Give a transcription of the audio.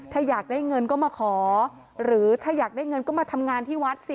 ถ้าอยากได้เงินก็มาขอหรือถ้าอยากได้เงินก็มาทำงานที่วัดสิ